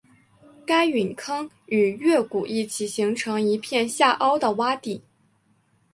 该陨坑与月谷一起形成一片下凹的洼地。